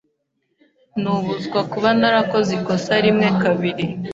Nubuswa kuba narakoze ikosa rimwe kabiri.